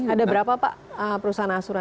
ada berapa pak perusahaan asuran